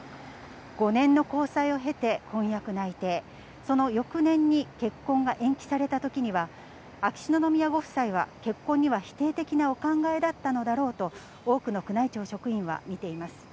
５年の交際を経て婚約内定、その翌年に結婚が延期されたときには、秋篠宮ご夫妻は結婚には否定的なお考えだったのだろうと、多くの宮内庁職員は見ています。